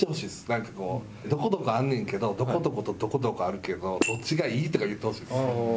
なんかこう「どこどこあんねんけどどこどことどこどこあるけどどっちがいい？」とか言ってほしいです。